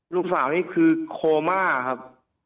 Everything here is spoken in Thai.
ลูกสาวนี่คือโคม่าครับ